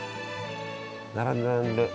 並んでる並んでる。